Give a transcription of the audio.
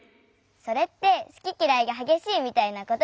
それってすききらいがはげしいみたいなことでしょ？